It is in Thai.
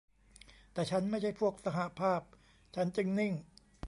แต่ฉันไม่ใช่พวกสหภาพ ฉันจึงนิ่ง